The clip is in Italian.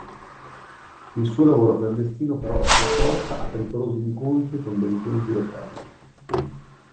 Il suo lavoro clandestino però la porta a pericolosi incontri con delinquenti locali.